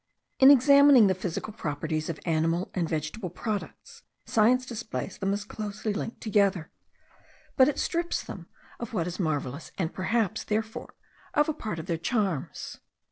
In examining the physical properties of animal and vegetable products, science displays them as closely linked together; but it strips them of what is marvellous, and perhaps, therefore, of a part of their charms.